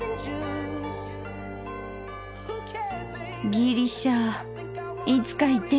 ギリシャいつか行ってみたいな。